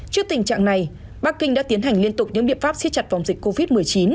trước tình trạng này bắc kinh đã tiến hành liên tục những biện pháp siết chặt vòng dịch covid một mươi chín